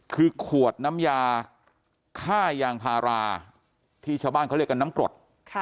คือขวดน้ำยาค่ายางพาราที่ชาวบ้านเขาเรียกกันน้ำกรด